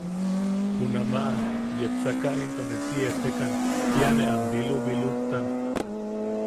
Junamaʼa yepsaka into ne si etekan, kia ne am bilubilujtan.